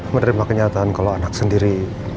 menerima kenyataan kalau anak sendiri